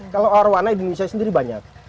kalau arowana di indonesia sendiri banyak